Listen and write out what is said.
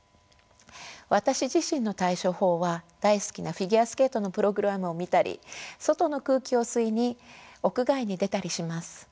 私自身の対処法は大好きなフィギュアスケートのプログラムを見たり外の空気を吸いに屋外に出たりします。